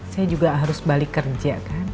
saya juga harus balik kerja kan